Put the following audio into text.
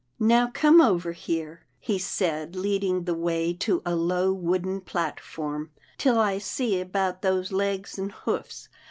" Now come over here," he said leading the way to a low wooden platform, " till I see about those legs and hoofs.